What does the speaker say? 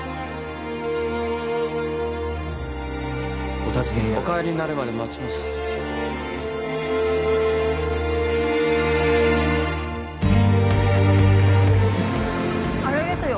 お尋ねにお帰りになるまで待ちますあれですよ